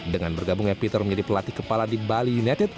dengan bergabungnya peter menjadi pelatih kepala di bali united